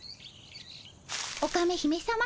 オカメ姫さま。